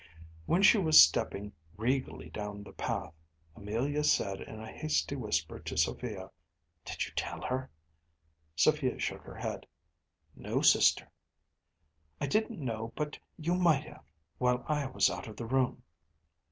When she was stepping regally down the path, Amelia said in a hasty whisper to Sophia: “Did you tell her?‚ÄĚ Sophia shook her head. “No, sister.‚ÄĚ “I didn’t know but you might have, while I was out of the room.